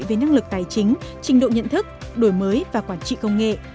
về năng lực tài chính trình độ nhận thức đổi mới và quản trị công nghệ